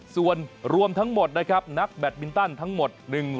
ส่วนรวมทั้งหมดนะครับนักแบตมินตันทั้งหมด